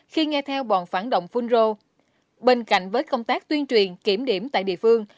khi nghe theo bọn phản động phun rô bên cạnh với công tác tuyên truyền kiểm điểm tại địa phương